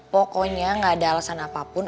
pokoknya gak ada alasan apapun